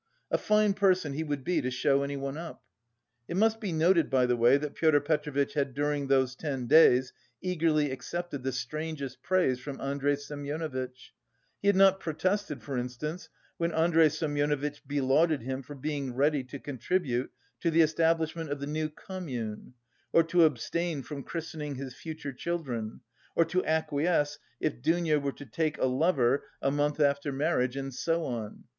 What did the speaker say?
A fine person he would be to show anyone up! It must be noted, by the way, that Pyotr Petrovitch had during those ten days eagerly accepted the strangest praise from Andrey Semyonovitch; he had not protested, for instance, when Andrey Semyonovitch belauded him for being ready to contribute to the establishment of the new "commune," or to abstain from christening his future children, or to acquiesce if Dounia were to take a lover a month after marriage, and so on.